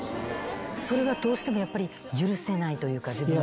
それはどうしてもやっぱり許せないというか自分の中で。